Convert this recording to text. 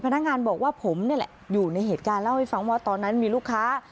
พนักงานบอกว่าผมนี่แหละอยู่ในเหตุการณ์เล่าให้ฟังว่าตอนนั้นมีลูกค้า